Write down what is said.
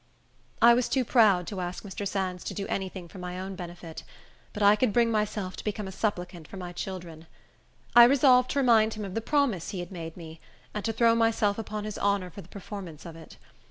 I was too proud to ask Mr. Sands to do any thing for my own benefit; but I could bring myself to become a supplicant for my children. I resolved to remind him of the promise he had made me, and to throw myself upon his honor for the performance of it.